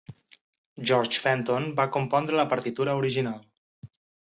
George Fenton va compondre la partitura original.